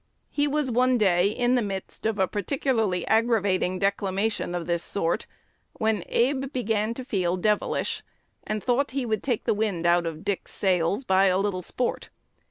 He was one day in the midst of a particularly aggravating declamation of this sort, "when Abe began to feel devilish, and thought he would take the wind out of Dick's sails by a little sport."